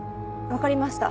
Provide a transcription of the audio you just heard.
わかりました。